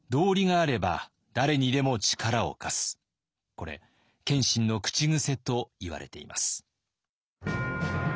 これ謙信の口癖といわれています。